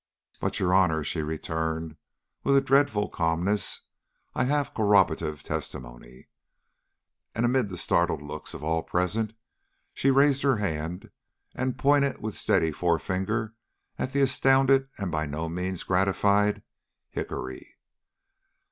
"But, your Honor," she returned, with a dreadful calmness, "I have corroborative testimony." And amid the startled looks of all present, she raised her hand and pointed with steady forefinger at the astounded and by no means gratified Hickory.